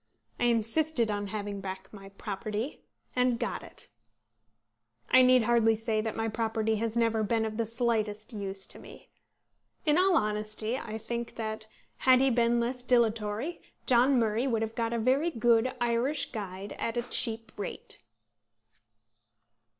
I insisted on having back my property, and got it. I need hardly say that my property has never been of the slightest use to me. In all honesty I think that had he been less dilatory, John Murray would have got a very good Irish Guide at a cheap rate.